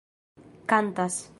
kantas